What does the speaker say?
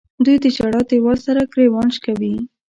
دوی د ژړا دیوال سره ګریوان شکوي.